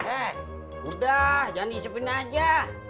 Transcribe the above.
eh udah jangan ngisipin aja